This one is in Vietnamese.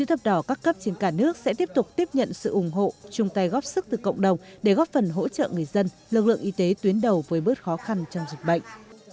hội sẽ tiếp tục tiếp nhận sự ủng hộ chung tay góp sức từ cộng đồng để góp phần hỗ trợ người dân lực lượng y tế tuyến đầu với bước khó khăn trong dịch bệnh